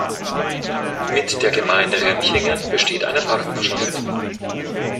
Mit der Gemeinde Remchingen besteht eine Partnerschaft.